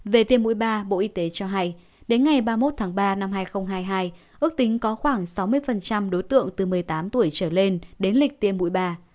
về tiêm mũi ba bộ y tế cho hay đến ngày ba mươi một tháng ba năm hai nghìn hai mươi hai ước tính có khoảng sáu mươi đối tượng từ một mươi tám tuổi trở lên đến lịch tiêm mũi ba